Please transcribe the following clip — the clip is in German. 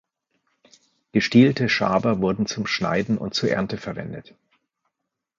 Gestielte Schaber wurden zum Schneiden und zur Ernte verwendet.